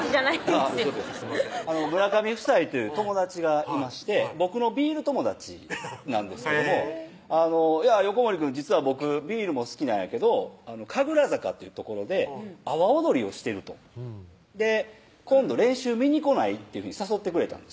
すいません村上夫妻という友達がいまして僕のビール友達なんですけども「横森くん実は僕ビールも好きなんやけど神楽坂という所で阿波踊りをしてる」と「今度練習見に来ない？」っていうふうに誘ってくれたんです